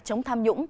chống tham nhũng